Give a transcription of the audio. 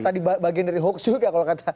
tadi bagian dari hoax juga kalau kata